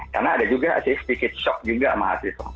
karena ada juga sih sedikit shock juga sama mahasiswa